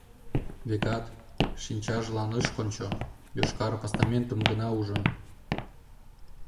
Векат, шинчажлан ыш кончо, йошкар постаментым гына ужын.